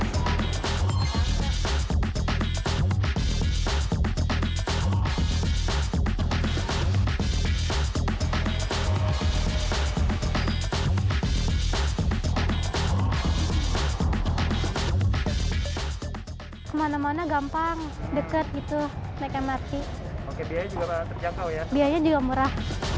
kemana mana gampang deket gitu naik mrt biaya juga murah